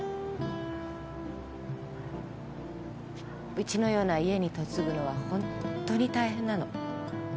ウチのような家に嫁ぐのはホントに大変なの。